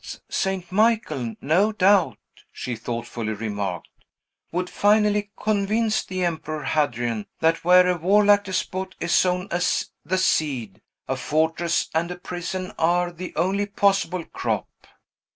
"But St. Michael, no doubt," she thoughtfully remarked, "would finally convince the Emperor Hadrian that where a warlike despot is sown as the seed, a fortress and a prison are the only possible crop."